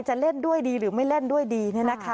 จะเล่นด้วยดีหรือไม่เล่นด้วยดี